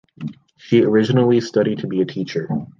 She originally studied to be a teacher.